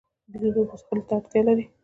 بیزو د اوبو څښلو ته اړتیا لري.